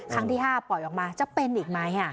ครั้งที่๕ปล่อยออกมาจะเป็นอีกไหม